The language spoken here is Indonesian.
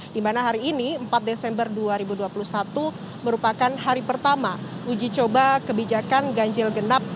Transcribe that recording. di mana hari ini empat desember dua ribu dua puluh satu merupakan hari pertama uji coba kebijakan ganjil genap